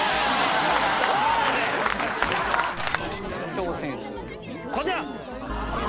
挑戦する曲はこちら！